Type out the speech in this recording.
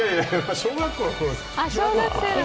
小学校のころです。